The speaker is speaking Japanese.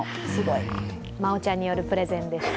麻音ちゃんによるプレゼンでした。